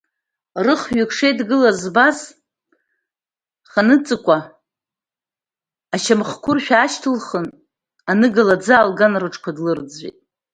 Рых-ҩык шеидгылаз збаз Ханҵыкәа ашьамхәқәыршә аашьҭылхын, аныгала аӡы аалган, рҿқәа длырӡәӡәеит.